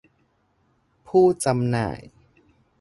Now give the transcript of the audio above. ผู้จำหน่าย